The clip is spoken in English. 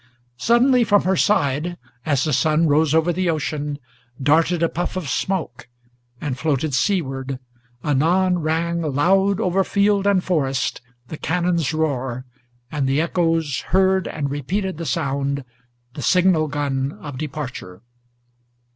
Suddenly from her side, as the sun rose over the ocean, Darted a puff of smoke, and floated seaward; anon rang Loud over field and forest the cannon's roar, and the echoes Heard and repeated the sound, the signal gun of departure!